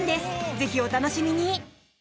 ぜひ、お楽しみに！